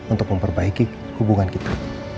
untuk memperbaiki hubungan kita